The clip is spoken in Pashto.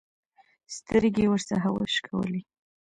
سترګې يې ورڅخه وشکولې.